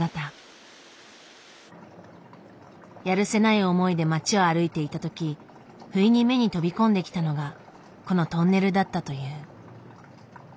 やるせない思いで街を歩いていたとき不意に目に飛び込んできたのがこのトンネルだったという。